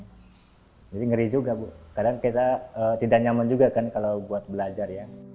jadi ngeri juga kadang kita tidak nyaman juga kalau buat belajar